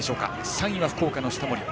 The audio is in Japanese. ３位は福岡の下森。